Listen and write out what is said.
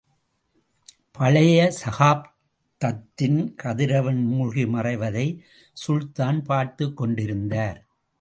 பழைய சகாப்தத்தின் கதிரவன் மூழ்கி மறைவதை சுல்தான் பார்த்துக் கொண்டிருந்தார்.